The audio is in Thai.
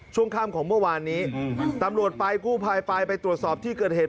ช่วงค่ำของเมื่อวานนี้ตำรวจไปกู้ภัยไปไปตรวจสอบที่เกิดเหตุ